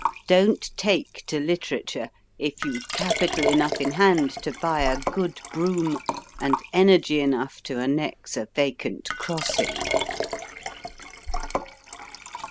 Don t take to literature if you ve capital enough in hand to buy a good broom, and energy enough to annex a vacant crossing.